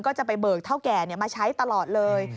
ก็จะไปเบิกเท่าแก่มาใช้ตลอดเลย